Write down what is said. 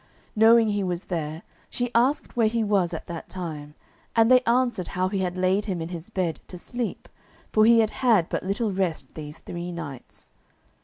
Knowing he was there, she asked where he was at that time; and they answered how he had laid him in his bed to sleep, for he had had but little rest these three nights.